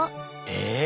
え。